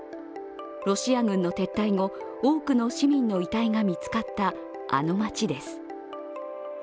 ロシア軍の撤退後、多くの市民の遺体が見つかった、あの街です。